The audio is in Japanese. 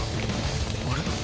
あれ？